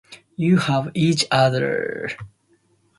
You have each other.